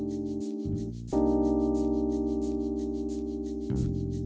sempat mengatakan bahwa jangan ke orang toksik